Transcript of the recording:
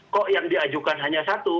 kok yang diajukan hanya satu